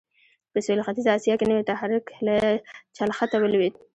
په سوېل ختیځه اسیا کې نوی تحرک له چلښته ولوېد.